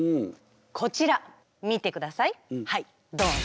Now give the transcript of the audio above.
こちら見てくださいはいどん！